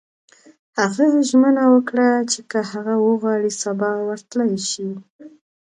هغه ژمنه وکړه چې که هغه وغواړي سبا ورتلای شي